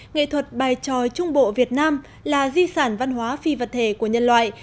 nghệ thuật bài tròi trung bộ việt nam là di sản văn hóa phi vật thể của nhân loại